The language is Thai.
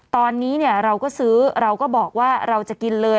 ตอนนี้เราก็ซื้อเราก็บอกว่าเราจะกินเลย